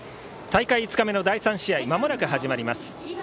大会５日目の第３試合まもなく始まります。